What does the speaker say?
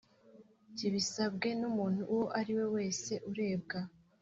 Kibisabwe n umuntu uwo ari we wese urebwa